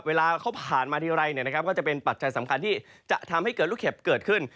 เวลาเขาผ่านมาทีไรก็จะเป็นปัจจัยสำคัญที่จะทำให้เกิดลูกเห็บเกิดขึ้น